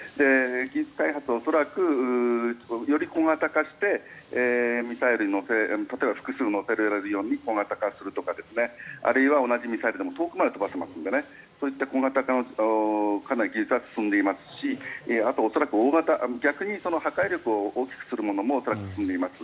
技術開発を恐らくより小型化してミサイルに例えば複数載せられるように小型化するとかあるいは同じミサイルでも遠くまで飛ばせますのでそういった小型化かなり技術は進んでいますしあと、恐らく逆に破壊力を大きくするものも恐らく進んでいます。